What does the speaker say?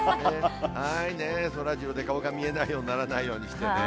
そらジローで顔が見えないようにならないようにしてね。